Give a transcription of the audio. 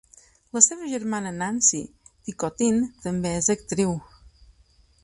La seva germana, Nancy Ticotin, també és actriu.